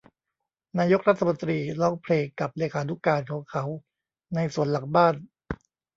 นายกรัฐมนตรีร้องเพลงกับเลขานุการของเขาในสวนหลังบ้าน